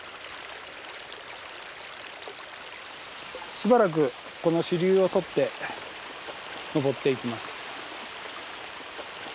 しばらくこの支流を沿って登っていきます。